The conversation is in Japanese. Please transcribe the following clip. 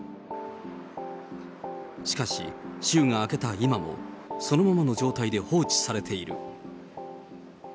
しかし、週が明けた今も、そのままの状態で放置されている。